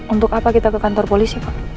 untuk apa kita ke kantor polisi pak